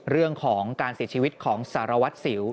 เรื่องของการเสียชีวิตของสารวัตรสิว